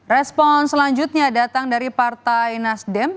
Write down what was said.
respon selanjutnya datang dari partai nasdem